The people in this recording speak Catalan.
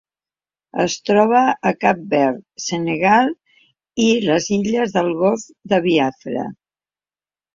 Es troba a Cap Verd, Senegal i les illes del Golf de Biafra.